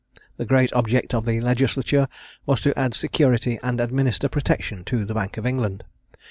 The great object of the legislature was to add security and administer protection to the Bank of England.